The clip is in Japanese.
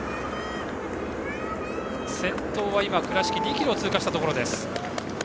先頭は倉敷で２ｋｍを通過したところです。